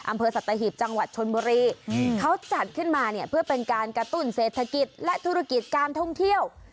อำเภอสัตหีบจังหวัดชนบุรีเขาจัดขึ้นมาเนี่ยเพื่อเป็นการกระตุ้นเศรษฐกิจและธุรกิจการท่องเที่ยว